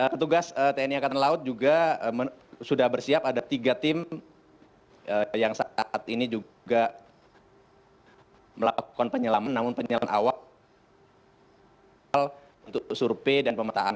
petugas tni angkatan laut juga sudah bersiap ada tiga tim yang saat ini juga melakukan penyelaman namun penyelaman awal untuk survei dan pemetaan